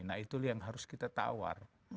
nah itu yang harus kita tawar